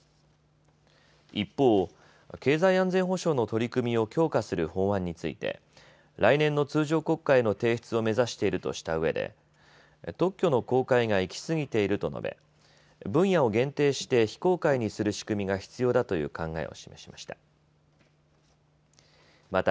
一方、経済安全保障の取り組みを強化する法案について来年の通常国会への提出を目指しているとしたうえで特許の公開が行き過ぎていると述べ分野を限定して非公開にする仕組みが必要だという考えを示しました。